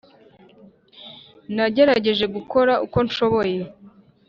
Nagerageje gukora uko nshoboye